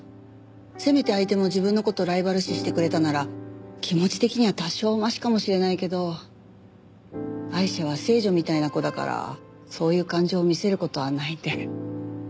せめて相手も自分の事をライバル視してくれたなら気持ち的には多少マシかもしれないけどアイシャは聖女みたいな子だからそういう感情を見せる事はないんで。